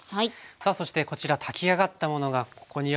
さあそしてこちら炊き上がったものがここにあります。